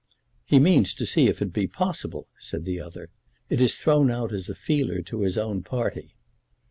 "He means to see if it be possible," said the other. "It is thrown out as a feeler to his own party."